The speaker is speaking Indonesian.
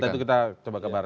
nah data itu kita coba kebar